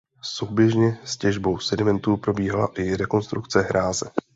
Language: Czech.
Souběžně s těžbou sedimentů probíhala i rekonstrukce hráze.